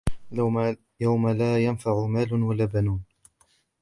يوم لا ينفع مال ولا بنون